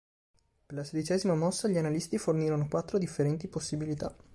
Per la sedicesima mossa gli analisti fornirono quattro differenti possibilità.